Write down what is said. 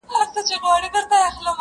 سر تر نوکه لا خولې پر بهېدلې،